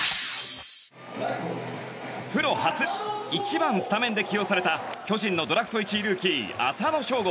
プロ初１番スタメンで起用された巨人のドラフト１位ルーキー浅野翔吾。